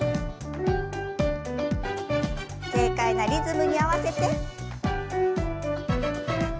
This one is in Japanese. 軽快なリズムに合わせて。